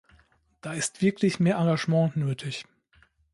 Da ist wirklich mehr Engagement nötig.